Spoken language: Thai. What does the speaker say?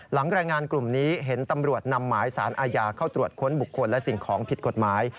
แรงงานกลุ่มนี้เห็นตำรวจนำหมายสารอาญาเข้าตรวจค้นบุคคลและสิ่งของผิดกฎหมาย